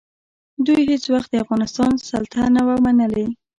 دوی هېڅ وخت د افغانستان سلطه نه وه منلې.